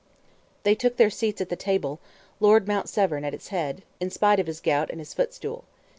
They took their seats at the table, Lord Mount Severn at its head, in spite of his gout and his footstool.